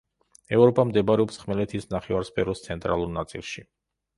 ევროპა მდებარეობს ხმელეთის ნახევარსფეროს ცენტრალურ ნაწილში.